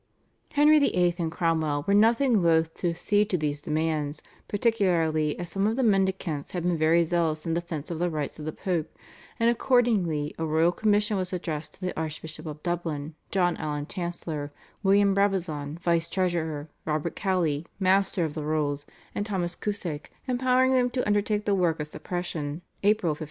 Henry VIII. and Cromwell were nothing loath to accede to these demands, particularly as some of the Mendicants had been very zealous in defence of the rights of the Pope; and accordingly a royal commission was addressed to the Archbishop of Dublin, John Alen Chancellor, William Brabazon Vice Treasurer, Robert Cowley Master of the Rolls, and Thomas Cusake empowering them to undertake the work of suppression (April 1539).